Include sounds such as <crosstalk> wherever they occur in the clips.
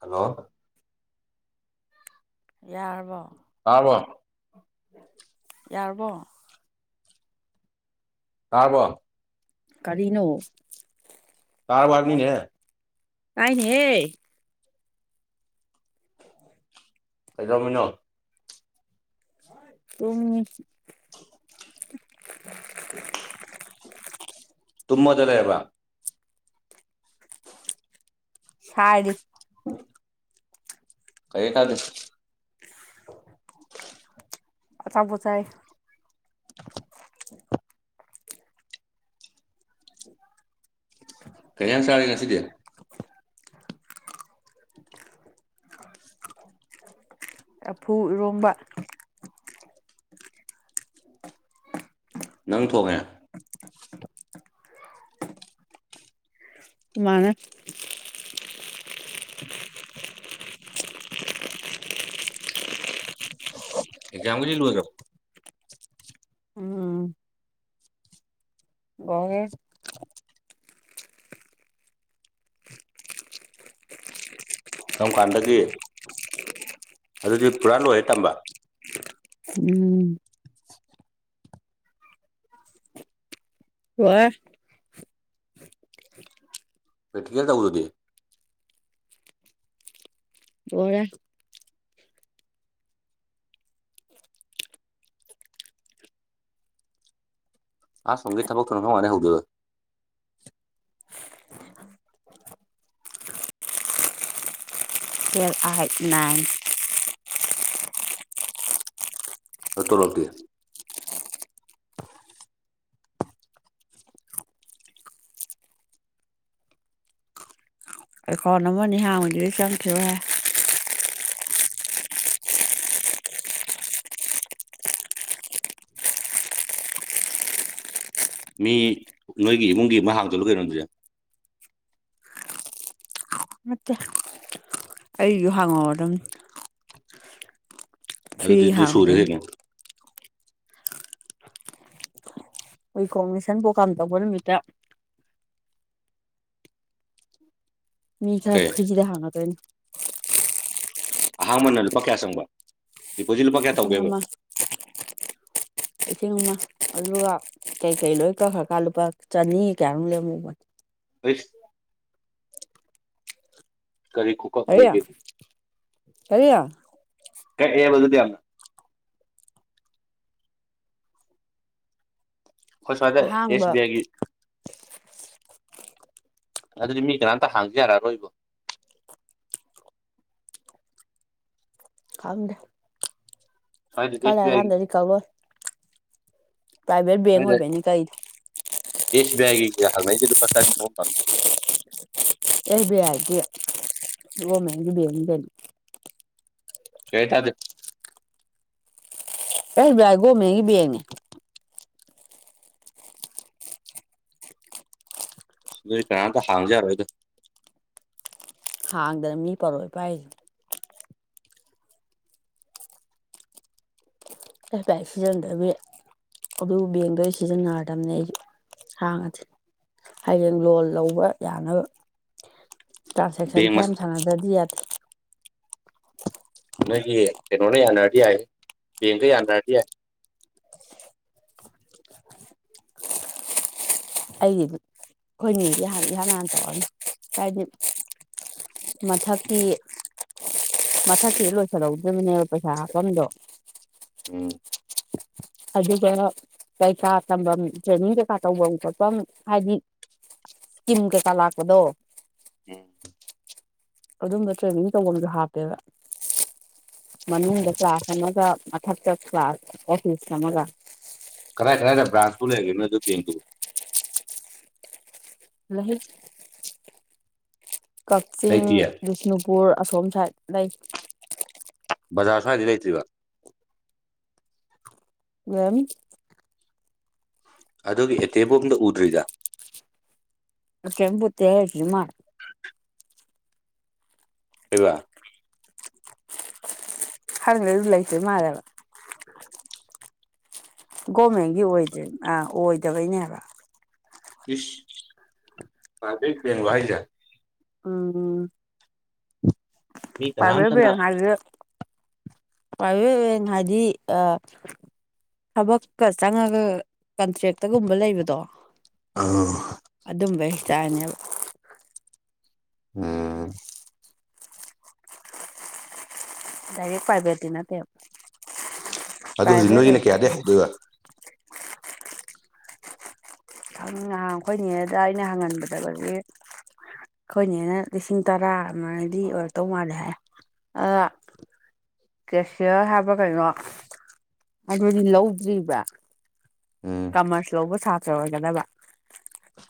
hello ꯌꯥꯔꯕꯣ ꯇꯥꯔꯕꯣ ꯌꯥꯔꯕꯣ ꯇꯥꯔꯕꯣ ꯀꯔꯤꯅꯣ ꯇꯥꯔꯕꯣ ꯍꯥꯏꯕꯅꯤꯅꯦ ꯇꯥꯏꯅꯦꯍꯦ ꯀꯩꯗꯧꯃꯤꯅꯣ ꯇꯨꯝ ꯇꯨꯃꯃꯣꯗ ꯂꯩꯔꯕꯣ ꯁꯥꯔꯤ <inaudible> <inaudible> ꯀꯩ ꯍꯏꯅꯣ <unintelligible> <inaudible> ꯑꯆꯄꯣꯠꯆꯥꯏ <unintelligible> <inaudible> ꯎ <inaudible> ꯀꯩ ꯌꯦꯟꯁꯪ ꯗꯤ ꯆꯔꯒꯦ ꯉꯥꯁꯤꯗꯦ <unintelligible> <inaudible> ꯂꯥꯐꯨ ꯏꯔꯣꯝꯕꯥ ꯅꯪ ꯊꯣꯡꯉꯦ ꯃꯅꯥ ꯑꯦꯖꯝꯒ ꯂꯣꯏꯈꯔ꯭ꯕꯣ ꯎꯝ ꯒꯦ <unintelligible> ꯀꯔꯝ ꯀꯥꯟꯗꯒꯦ ꯑꯗꯨꯗꯤ ꯄꯨꯔꯥ ꯂꯣꯏꯔꯦ ꯇꯝꯕ ꯎꯝ ꯋꯥ ꯄꯦꯠꯀꯦꯔ ꯇ ꯎꯗꯗꯤ ꯂꯣꯏꯔꯦ ꯑ ꯑꯁꯣꯝꯗꯒꯤ ꯊꯥꯕꯛ ꯈꯅꯐꯥꯎ ꯃꯅ ꯍꯧꯗ ꯗꯥꯇꯦ ꯑꯩꯥꯏꯠ ꯅꯥꯏꯟ ꯍ ꯇꯂꯞꯗꯤ ꯑꯩ ꯀꯣꯟ ꯑꯃ ꯑꯅꯤ ꯍꯥꯡꯉꯁꯤꯗꯩ ꯆꯪꯂꯛꯈꯤꯔꯣꯏ ꯍꯥꯏ ꯃꯤ ꯅꯣꯏꯒꯤ ꯏꯃꯨꯡꯒꯤ ꯍꯡꯖꯤꯂꯣ ꯀꯩꯅꯣꯑꯗꯨꯗꯤ ꯅꯠꯇꯦ ꯑꯩꯁꯨ ꯍꯥꯡꯉꯎꯑꯣꯔ꯭ꯃꯤ ꯑꯗꯨꯗ ꯑꯗꯨꯗꯨ ꯁꯨꯔ ꯍꯥꯡꯗꯣꯏꯅꯤ ꯀꯩꯅꯣ ꯑꯩꯏ ꯀꯣꯡꯂꯤꯁꯟ ꯄ꯭ꯔꯣꯒꯥꯥꯝ ꯇꯧꯕ ꯅꯨꯃꯤꯠꯇ ꯃꯤ ꯈꯔ ꯀꯩ ꯐ꯭ꯔꯤꯗ ꯍꯥꯉꯥꯗꯣꯏꯅꯤ ꯑꯍꯥꯡꯕꯅ ꯂꯨꯄꯥ ꯀꯌꯥ ꯆꯪꯕ ꯗꯤꯄꯣꯖꯤꯠ ꯂꯨꯄꯥ ꯀꯌꯥ ꯂꯤꯁꯤꯡ ꯇꯧꯒꯦꯕ ꯑꯃ ꯂꯤꯁꯤꯡ ꯑꯃ ꯑꯗꯨꯒ ꯀꯩꯀꯩ ꯂꯣꯏ ꯀꯧꯈ꯭ꯔꯀꯥꯟ ꯂꯨꯄꯥ ꯆꯅꯤ ꯀꯌꯥꯅꯣꯝ ꯂꯦꯃꯍꯥꯑꯣꯕꯅꯤ ꯑꯁ ꯀꯔꯤ ꯈꯨꯨꯀꯄ ꯀꯔꯤ ꯅꯤꯒꯦ ꯀꯔꯤ ꯀꯩꯌꯦꯕꯥ ꯑꯗꯨꯗꯤ ꯑꯈꯣꯏ ꯁꯨꯋꯥꯏꯗ ꯑꯍꯥꯡꯕ ꯑꯦꯁꯕꯤꯑꯒꯤ ꯑꯗꯨꯗꯤ ꯃꯤ ꯀꯅꯥꯝꯇ ꯍꯥꯡꯖꯔꯛꯑꯔꯣꯏꯕꯣ ꯈꯗ ꯁ꯭ꯋꯥꯏꯗ ꯑꯦꯁ ꯈꯂ ꯕꯤ ꯑꯥꯏꯒꯤ ꯀꯥꯟꯗꯗꯤ ꯀꯥꯎꯂꯣ ꯄ꯭ꯔꯥꯏꯚꯦꯠ ꯕꯦꯡ ꯑꯣꯏꯕꯩꯅꯤ ꯀꯩ ꯏꯁ ꯕꯒꯒꯤ ꯍꯥꯆꯗꯨ ꯄꯁꯥꯔꯁꯧꯦ ꯑꯦꯕꯤ ꯌꯥꯗꯤ ꯃꯒꯤꯗꯤꯗꯜꯂꯤ ꯆꯩꯦ ꯊꯗ ꯑꯦꯁ ꯒꯣ ꯃꯒꯤ ꯌꯥꯅꯦ ꯑꯗꯨꯗꯤ ꯀꯅꯥꯝꯇ ꯍꯥꯡꯖꯔꯣꯏꯗꯣ ꯍꯥꯡꯗꯅ ꯃꯤ ꯄꯧꯔꯣꯏ ꯄꯥꯏꯁꯦ ꯍꯥꯏꯐꯥꯏ ꯁꯤꯖꯤꯟꯅꯗꯕꯤ ꯑꯗꯨ ꯕꯦꯡꯗ ꯁꯤꯖꯤꯟꯅꯔꯗꯕꯅꯦ ꯑꯩ ꯍꯥꯡꯉꯗꯤ ꯍꯌꯦꯡ ꯂꯣꯟ ꯂꯧꯕ ꯌꯥꯅꯕ ꯇ꯭ꯔꯥꯟꯁꯦꯛꯁꯟ ꯕꯦꯡ ꯈ ꯃꯁ ꯌꯥꯝ ꯁꯥꯟꯅꯗꯗꯤ ꯌꯥꯗꯦ ꯅꯪꯒꯤ ꯀꯩꯅꯣꯅꯦ ꯑꯅꯔꯗꯤ ꯌꯥ ꯦꯡꯀꯩ ꯑꯅꯔꯗꯤ ꯌꯥ ꯑꯩꯒꯤ ꯈꯣꯏꯅꯤꯗꯤꯥꯟ ꯏꯍꯥꯟ ꯍꯥꯟ ꯇꯧꯔꯅꯤ ꯍꯥꯏꯗꯤ ꯃꯊꯀꯤ ꯃꯊꯛꯁꯤꯗ ꯂꯣꯏꯁꯜꯍꯧꯗ꯭ꯔꯤꯕꯅꯦꯕ ꯄꯩꯁꯥ ꯍꯥꯞꯐꯝꯗꯣ ꯎꯝ <unintelligible> <inaudible> ꯑꯗꯨꯗꯨꯅ ꯀꯩꯀꯥ ꯇꯝꯐꯝ ꯇ꯭ꯔꯦꯅꯤꯡ ꯀꯩꯀꯥ ꯇꯧꯐꯝ ꯈꯣꯠꯐꯝ ꯍꯥꯏꯗꯤ ꯀꯃ ꯀꯦ ꯀꯂ ꯍꯥꯥꯛꯀꯗꯣ ꯎꯝ <unintelligible> <inaudible> ꯑꯗꯨꯝꯕ ꯇ꯭ꯔꯦꯅꯤꯡ ꯇꯐꯝꯁꯨ ꯍꯥꯞꯄꯦꯕ ꯃꯅꯨꯡꯗ ꯀ꯭ꯂꯥꯁ ꯑꯃꯒ ꯊꯛ ꯆ ꯀ꯭ꯂꯥꯁ ꯑꯣꯐꯁ ꯃꯒ ꯐ꯭ꯔꯥꯟꯁꯄꯨꯔ ꯂꯩꯒꯦꯅ ꯑꯗꯨ ꯦꯡꯒꯂ ꯃꯍ ꯀꯛꯆꯤꯡ ꯂꯩꯇꯤꯌꯦ ꯕꯤꯁꯅꯨꯄꯨꯔ ꯑꯁꯣꯝ ꯁꯥꯏꯗ ꯂꯩ ꯕꯖꯥꯔ ꯈꯗꯤ ꯂꯩꯇ꯭ꯔꯤꯔꯤꯕ ꯎ <unintelligible> <inaudible> ꯑꯗꯨꯒꯤ ꯑꯦꯇꯦꯕꯣꯝꯗ ꯎꯗ꯭ꯔꯤꯗ ꯀꯃꯛꯇꯦ ꯍꯥꯏꯦꯔꯤ ꯃꯥ ꯂꯩꯕ ꯍꯔꯒ ꯎꯂꯥꯏꯁꯤ ꯃꯥꯗꯕ ꯒꯣꯔꯃꯦꯟꯒꯤ ꯑꯣꯏꯗ꯭ꯔꯦ ꯑꯥ ꯑꯣꯏꯗꯕꯩꯅꯦꯕ ꯀꯤꯁ ꯐꯥ ꯋꯥꯏꯖ ꯑ <unintelligible> <inaudible> ꯃꯤ ꯄꯕꯤ ꯀꯅꯥꯝꯇꯅ ꯉꯗꯤ <inaudible> ꯄꯥꯏꯦꯡ ꯍꯥꯏꯗꯤ ꯑ ꯍꯕꯛꯀ ꯆꯉꯒ ꯀꯟꯇ꯭ꯔꯦꯛꯇꯒꯨꯝꯕ ꯂꯩꯕꯗꯣ ꯎꯝ ꯑꯗꯨꯝꯕ ꯍꯥꯏꯇꯥꯔꯅꯦꯕ ꯎꯝ <inaudible> ꯗꯥꯏꯔꯦꯛ ꯄ꯭ꯔꯥꯏꯚꯦꯠꯇꯤ ꯅꯠꯇꯦꯕ ꯑꯗꯨ ꯍꯧꯖꯤꯛ ꯄ꯭ꯔꯥꯏꯚꯦꯠ ꯅꯣꯏꯒꯤꯅ ꯀꯌꯥꯗꯩ ꯑꯣꯏꯇꯥꯒꯦ ꯍꯧꯗꯣꯏꯕ ꯉꯍꯥꯡ ꯑꯩꯈꯣꯏꯅꯤꯉꯦꯗ ꯑꯩꯅ ꯍꯪꯍꯟꯕꯗ ꯍꯧꯖꯤ ꯑꯩꯈꯣꯏꯅꯦꯅ ꯂꯤꯁꯤꯡ ꯇꯔꯥꯃꯩꯗꯤ ꯑꯣꯏꯔꯛꯇꯧ ꯃꯥꯜꯂꯦ ꯍꯥꯏ ꯑ ꯀꯦꯁꯤꯌꯔ ꯍꯥꯏꯕ ꯀꯩꯅꯣ ꯑꯗꯨꯗꯤ ꯂꯧꯗ꯭ꯔꯤꯕ꯭ꯔꯥ ꯎꯝ ꯀꯃꯔꯁ ꯂꯧꯕ ꯁꯥꯇ꯭ꯔ ꯑꯣꯏꯒꯗꯕ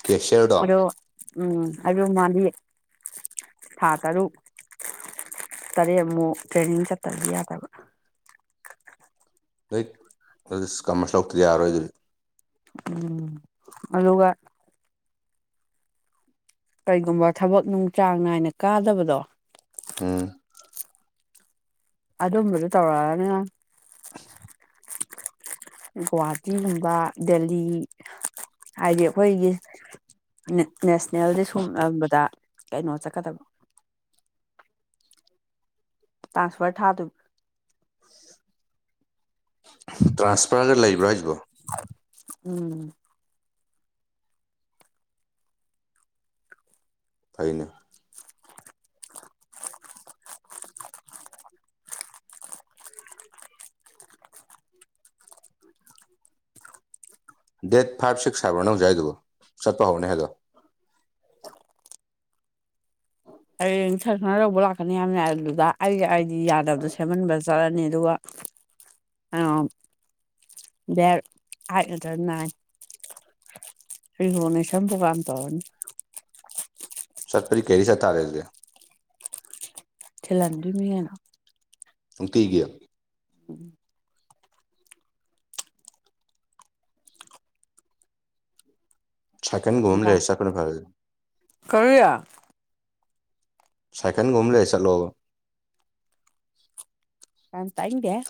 ꯀꯦꯁꯔꯗꯣ ꯑꯗꯣ ꯎꯝ ꯑꯗꯨ ꯃꯥꯗꯤ ꯊꯥ ꯇꯔꯨꯛ ꯇꯔꯦ ꯑꯃꯨꯛ ꯇ꯭ꯔꯦꯅꯤꯡ ꯆꯠꯇꯗꯤ ꯌꯥꯗꯕ ꯍ ꯀꯃꯔꯁ ꯂꯧꯇꯗꯤ ꯌꯥꯔꯣꯏ ꯑꯗꯨꯗꯤ ꯎꯝ ꯑꯗꯨꯒ ꯀꯩꯒꯨꯝꯕ ꯊꯕꯛ ꯅꯨꯡ ꯆꯥꯡ ꯅꯥꯏꯅ ꯀꯥꯗꯕꯗꯣ ꯑꯝ ꯑꯗꯨꯝꯕꯗꯨ ꯇꯧꯔꯅ ꯒꯨꯍꯥꯇꯤꯒꯨꯝꯕ ꯗꯦꯜꯂꯤ ꯍꯥꯏꯗꯤ ꯑꯩꯈꯣꯏꯒꯤ ꯅꯦꯁꯅꯦꯜꯗꯤ ꯁꯨꯝꯕꯗ ꯀꯩꯅꯣ ꯆꯠꯀꯗꯕ ꯇ꯭ꯔꯥꯟꯁꯐꯔ ꯊꯥ ꯇ ꯇ꯭ꯔꯥꯟꯁꯄꯔꯒ ꯂꯩꯕ꯭ꯔ ꯍꯥꯏꯖꯕꯣ ꯎꯝ <unintelligible> <inaudible> ꯇꯥꯏꯅ <unintelligible> <inaudible> ꯗꯦꯠ ꯐꯥꯏꯚ ꯁꯤꯛꯁ ꯍꯥꯏꯕ꯭ꯔ ꯅ ꯍꯧꯖꯥꯏꯗꯨꯕꯨ ꯆꯠꯄ ꯍꯧꯅꯦ ꯍꯥꯏꯗꯣ ꯍꯌꯦꯊꯔ ꯈꯔ ꯂꯧꯕ ꯂꯥꯛꯀꯅꯤ ꯍꯥꯏꯕꯅꯤ ꯑꯗꯨ ꯑꯗꯨꯗ ꯑꯩꯒꯤ ꯑꯩꯗꯤ ꯌꯥꯗꯕꯗꯣ ꯁꯦꯝꯃꯟꯕ ꯆꯠꯂꯅꯤ ꯑꯗꯨꯒ <unintelligible> <inaudible> ꯑ ꯕꯦꯔ ꯍꯥꯏꯗꯔꯥꯏ ꯁꯤꯁꯨꯅꯤ ꯁꯇ ꯄꯥꯟꯗ ꯍꯅꯤ ꯁꯔꯄꯔꯤ ꯀꯦꯔꯤ ꯁ ꯇꯥꯔꯦꯜꯒꯦ ꯆꯂꯥꯟꯗ ꯃꯤ ꯍꯥꯏꯅ ꯀꯩꯒꯤ ꯎꯝ ꯊꯀꯦꯟ ꯨꯃ ꯅꯨꯄꯥ ꯂꯩꯁꯈꯅ ꯐꯥꯎ ꯀꯔꯤ ꯌꯥꯝ ꯁꯥꯏꯀꯦꯟꯒꯨꯝ ꯂꯩ ꯆꯠꯂꯣ ꯇ ꯍꯦ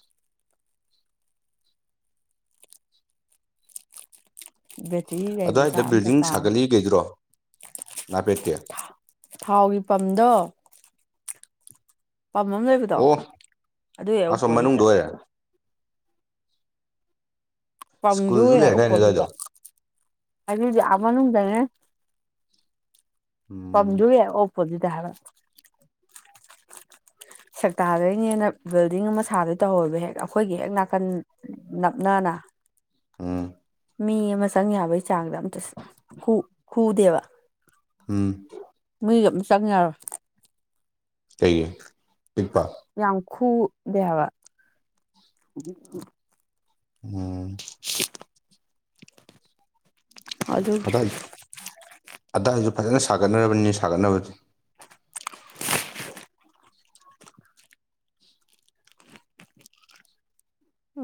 ꯕꯦꯇ꯭ꯔꯤ ꯒꯥꯔꯤ ꯃꯆꯥ ꯑꯋꯥꯏꯗ ꯑꯝꯇ ꯕꯤꯜꯗꯤꯡ ꯄꯥꯝꯃꯦ ꯁꯥꯒꯠꯂꯤ ꯀꯩꯗ꯭ꯔꯣ ꯊꯥꯎꯒꯤ ꯄꯝꯗꯣ ꯄꯥꯝꯝꯕꯝ ꯂꯩꯕꯗꯣ ꯑꯣ ꯑꯗꯨ ꯑꯁꯣꯝ ꯑꯣꯄꯣꯖꯤꯠꯇ ꯃꯅꯨꯡꯗ ꯑꯣꯏꯔꯦ ꯁ꯭ꯀꯨꯜꯁꯨ ꯄꯝꯗꯣꯛꯑꯦ ꯂꯩꯔꯗꯥꯏꯅꯦ ꯎꯄꯣꯗꯨꯗ ꯑꯗꯨꯋꯥꯏꯗꯣ ꯑꯗꯨꯗꯤ ꯃꯅꯨꯡꯗꯅꯦ ꯎꯝ ꯄꯖꯦ ꯑꯣꯄꯣꯖꯤꯗ ꯍꯥꯏꯔ ꯁꯛꯇꯥꯗꯣꯏꯅꯦꯅ ꯕꯤꯜꯗꯤꯡ ꯑꯃ ꯁꯥꯕꯣꯏ ꯇꯧꯍꯧꯕ ꯍꯦꯛ ꯑꯩꯈꯣꯏꯒꯤ ꯍꯦꯛ ꯅꯥꯀꯟ ꯅꯞꯅꯅ ꯋꯥ ꯑꯥ ꯃꯤ ꯑꯃ ꯆꯪ ꯌꯥꯕꯒꯤ ꯆꯥꯡꯗ ꯑꯝꯇ ꯍꯗꯦꯕ ꯎꯝ ꯅꯣꯏꯁꯨ ꯑꯗꯨꯝ ꯆꯪꯉꯔꯣꯏ ꯀꯩꯌꯦ ꯄꯛꯄ ꯌꯥꯝꯈꯨꯗꯦꯕ ꯎꯝ ꯑꯗꯨꯗ ꯑꯗꯥꯏ ꯑꯗꯥꯏꯁꯨ ꯐꯖꯅ ꯁꯥꯒꯠꯅꯔꯕꯅꯤ ꯁꯥꯒꯠꯅꯕꯁꯦ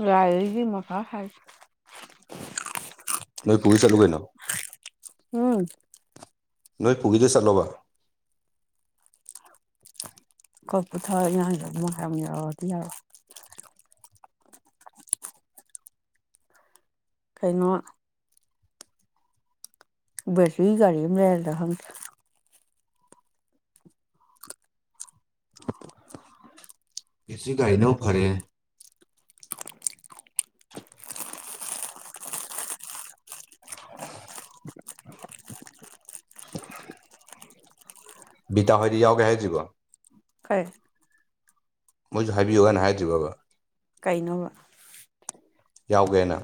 ꯉꯥꯏꯁꯤ ꯃ ꯈ ꯈꯥꯏ ꯅꯣꯏ ꯀ ꯆꯂꯨ ꯀꯅ ꯍꯝ ꯅꯣꯏ ꯄꯨꯒꯗ ꯆꯠꯂꯣꯕ ꯀꯣꯏ ꯄꯨꯊ ꯏꯥꯡꯉꯔꯝ ꯌꯥꯧꯔꯛꯗꯤ ꯌꯥꯔ ꯀꯩꯅꯣ ꯕꯁꯒꯒꯥꯔꯤ ꯃꯅꯗ ꯍꯪ ꯀꯁꯤꯒꯥꯏꯅ ꯐꯔꯦ <unintelligible> ꯕꯤꯇꯥ ꯍꯣꯏꯗꯤ ꯌꯥꯎꯒꯦ ꯍꯥꯏꯦꯖꯒ ꯐꯔ ꯃꯣꯏꯁꯨ ꯍꯥꯏꯕꯤꯌꯨꯅ ꯍꯥꯏꯗ꯭ꯔꯤ ꯕꯕꯥ ꯀꯩꯅꯣꯧꯕ ꯌꯥꯎꯒꯦꯅ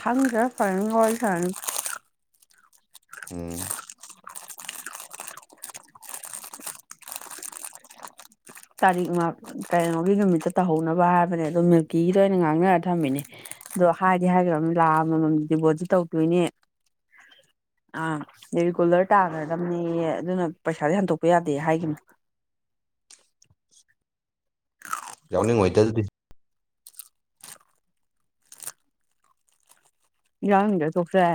ꯊꯪꯒ ꯐꯔꯒꯜ ꯁꯅꯤ ꯎꯝ ꯇꯥꯔꯤꯛ ꯇꯔꯦꯃꯒꯤ ꯅꯨꯃꯤꯠꯇ ꯇꯧꯍꯧꯅꯕ ꯍꯥꯏꯕꯅꯦ ꯑꯗꯣ ꯃꯤꯜꯀꯤꯒꯤꯗ ꯑꯣꯏꯅ ꯉꯥꯡꯅꯔ ꯊꯝꯃꯤꯅꯦ ꯑꯗꯣ ꯍꯥꯏꯗꯤ ꯍꯥꯏꯈ꯭ꯔꯕꯅꯤ ꯂꯥꯛꯑ ꯃꯃꯝꯗꯗꯤꯕꯣꯗꯤ ꯇꯧꯗꯣꯏꯅꯦ <unintelligible> ꯑꯥ ꯔꯤꯒꯨꯂꯔ ꯇꯥꯈ꯭ꯔꯗꯕꯅꯦ ꯑꯗꯨꯅ ꯄꯩꯁꯥꯗꯤ ꯍꯟꯗꯣꯛꯄ ꯌꯥꯗꯦ ꯍꯥꯏꯒꯤꯅ <unintelligible> ꯌꯥꯎꯅꯤꯡꯉꯇ ꯑꯗꯨꯗꯤ ꯌꯥꯅꯤꯡꯒ ꯇꯣ ꯐꯦ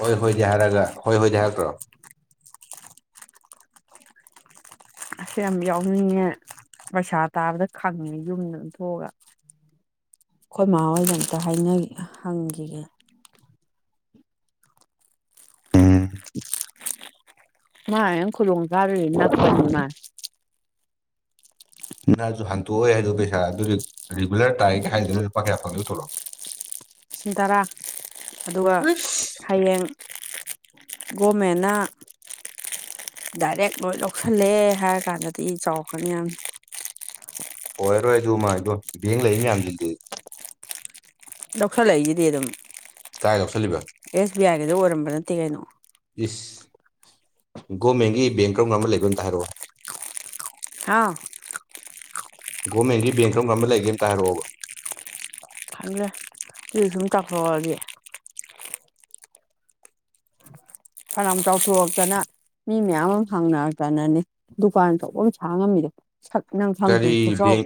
ꯍꯣꯏ ꯍꯣꯏꯗꯤ ꯍꯥꯏꯔꯒ ꯍꯣꯏ ꯍꯣꯏꯗꯤ ꯍꯥꯏꯛꯇ꯭ꯔꯣ ꯑꯁ ꯌꯥꯝ ꯌꯥꯎꯅꯤꯡꯉꯦ ꯄꯩꯁꯥ ꯇꯥꯕꯗ ꯈꯪꯉꯦ ꯌꯨꯝꯗ ꯑꯗꯨꯊꯣꯛꯑꯒ ꯑꯩꯈꯣꯏ ꯃꯍꯥ ꯍꯣꯏꯒ ꯑꯝꯇ ꯍꯥꯏꯅ ꯍꯪꯈꯤꯒꯦ ꯎꯝ ꯃꯥ ꯌꯦ ꯈꯨꯗꯣꯡ ꯆꯥꯔꯄꯅꯤꯃ ꯅꯪꯁꯨ ꯍꯟꯇꯣꯛꯑꯣꯦ ꯍꯥꯏꯗꯣ ꯄꯩꯁꯥ ꯑꯗꯨꯗꯤ ꯔꯤꯒꯨꯂꯔ ꯇꯥꯏꯔꯒꯦ ꯍꯥꯏꯗꯅ ꯂꯨꯄꯥ ꯀꯌꯥ ꯐꯪꯉꯦ ꯇꯧꯣꯔꯛꯑꯣ <unintelligible> ꯂꯤꯁꯤꯡ ꯇꯔꯥ ꯑꯗꯨꯒ ꯑꯁ ꯍꯌꯦꯡ ꯒꯣꯃꯦꯅꯥ ꯗꯥꯏꯔꯦꯛ ꯂꯣꯏ ꯂꯧꯁꯤꯜꯂꯦ ꯍꯥꯏꯔ ꯀꯥꯟꯗꯗꯤ ꯆꯥꯎꯈꯅꯤ ꯌꯥꯝ ꯑꯣꯏꯣꯏꯔꯣꯏ ꯑꯗꯨꯃ ꯏꯕꯣ ꯕꯦꯡ ꯂꯩ ꯃꯌꯥꯝꯁꯤꯡꯁꯤ ꯂꯧꯈꯠꯂꯛꯏꯒꯤꯗꯤ ꯑꯗꯨꯝ ꯀꯥꯏꯒꯣ ꯆꯂꯕ ꯀꯩꯗꯣ ꯑꯣꯏꯔꯝꯕ ꯅꯠꯇꯦ ꯀꯩꯅꯣ ꯏꯁꯁ ꯒꯣꯔꯃꯦꯟꯒꯤ ꯕꯦꯡ ꯀꯔ ꯑꯃ ꯂꯩꯕ ꯑꯝꯇ ꯍꯥꯏꯔꯛꯑꯣ ꯑꯥꯎ ꯒꯣꯃꯦꯟꯒꯤ ꯕꯦꯡ ꯀꯔꯝ ꯀꯔꯝꯕ ꯂꯩꯒꯦꯦꯝꯇ ꯍꯥꯏꯔꯛꯑꯣꯕ ꯈꯪꯗ꯭ꯔꯦ ꯀ ꯁꯨꯝ ꯇꯥꯛꯊꯣꯛꯛꯑꯒꯦ ꯐꯅꯌꯥꯝ ꯆꯥꯎꯊꯣꯛꯑꯛꯇꯅ ꯃꯤ ꯃꯌꯥꯝ ꯑꯃ ꯍꯥꯡꯅꯔꯛꯇꯅꯅꯦ ꯗꯨꯀꯥꯟ ꯇꯧꯕ ꯑꯃ ꯁꯥꯡ ꯉꯝꯃꯤꯗ ꯌꯥꯝꯅ ꯁꯥꯟꯇ ꯀꯔꯤ ꯆ ꯕꯦꯡ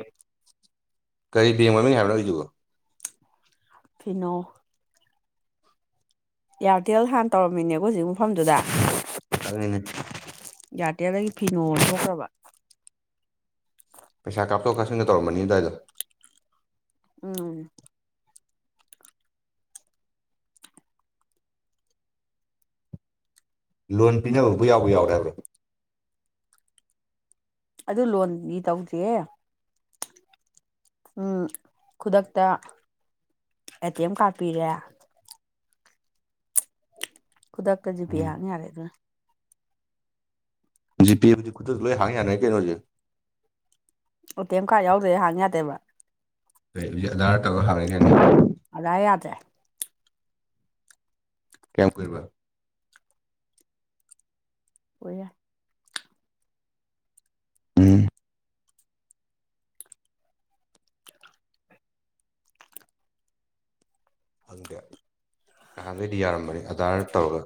ꯀꯔꯤ ꯕꯦꯡ ꯃꯃꯤꯡ ꯍꯥꯏꯕ꯭ꯔ ꯂꯧ ꯍꯧꯁꯤꯕꯣ ꯀꯩꯅꯣ ꯏꯌꯥꯔꯇꯦꯜ ꯍꯥꯟꯅ ꯇꯧꯔꯝꯃꯤꯅꯦꯕꯣ ꯍꯧꯖꯤꯛ ꯃꯐꯝꯗꯨꯗ ꯑꯗꯨꯅꯤꯅꯦ ꯌꯥꯇꯦꯗꯒꯤ ꯐꯤꯅꯣ ꯑꯣ ꯊꯣꯛꯣꯛꯈ꯭ꯔꯕ ꯄꯩꯁꯥ ꯀꯥꯞꯊꯣꯛ ꯀꯥꯞꯁꯤꯟꯒ ꯇꯧꯔꯝꯕꯅꯤ ꯑꯗꯨꯗꯥꯋꯥꯏꯗꯣ ꯎꯝ <unintelligible> <inaudible> ꯂꯣꯟ ꯄꯅꯕ ꯎꯕ ꯌꯥꯎꯕ ꯌꯥꯎꯗꯕ꯭ꯔꯣ ꯑꯗꯨ ꯂꯣꯟꯅꯤ ꯇꯧꯗ꯭ꯔꯤꯦ ꯎꯝ ꯈꯨꯗꯛꯇ ꯑꯦ ꯇꯤ ꯑꯦꯝ ꯀꯥꯔꯠ ꯄꯤꯔꯦ ꯈꯨꯗꯛꯇ ꯖꯤꯄꯤꯤ ꯎꯝ ꯍꯥꯡ ꯌꯥꯔꯦ ꯑꯗꯨꯅ ꯖꯤꯄꯦꯕꯨꯗꯤ ꯈꯨꯠꯇꯛꯇ ꯂꯣꯏ ꯍꯥꯡꯉꯤ ꯌꯥꯅꯩ ꯀꯩꯅꯣꯁꯦ ꯎ ꯇꯦꯝ ꯀꯥ ꯌꯥꯎꯗ꯭ꯔꯦ ꯍꯥꯡ ꯌꯥꯗꯦꯕ ꯍꯣꯏ ꯍꯧꯖꯤꯛ ꯑꯙꯥꯔ ꯀꯥꯔ ꯍꯥꯡꯉꯒꯦ ꯑꯗꯥꯏ ꯌꯥꯗ꯭ꯔꯦ ꯀꯌꯥꯝ ꯀ ꯑꯣꯏ ꯎ <unintelligible> <inaudible> ꯍꯪꯗꯦ ꯅꯍꯥꯟꯒꯩꯗꯤ ꯌꯥꯔꯝꯕꯅꯤ ꯑꯙꯥꯔ ꯇꯧꯔꯒ